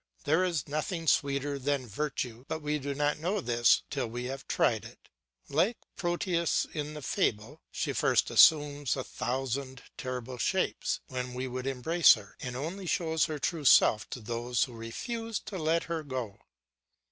There is nothing sweeter than virtue; but we do not know this till we have tried it. Like Proteus in the fable, she first assumes a thousand terrible shapes when we would embrace her, and only shows her true self to those who refuse to let her go.